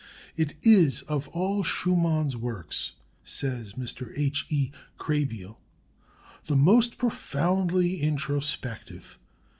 It is, of all Schumann's works, says Mr. H. E. Krehbiel, "the most profoundly introspective.